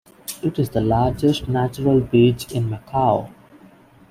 It is the largest natural beach in Macau.